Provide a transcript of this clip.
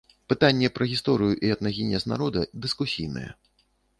Пытанне пра гісторыю і этнагенез народа дыскусійнае.